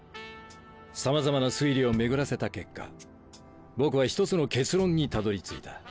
さまざまな推理を巡らせた結果僕は１つの結論にたどり着いた。